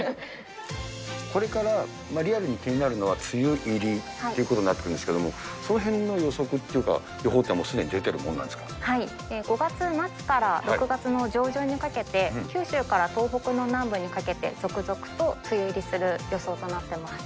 これからリアルに気になるのは梅雨入りということになってくるんですけど、そのへんの予測っていうか、予報っていうのは、すでに５月末から６月の上旬にかけて、九州から東北の南部にかけて、続々と梅雨入りする予想となってます。